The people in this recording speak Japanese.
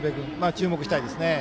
注目したいですよね。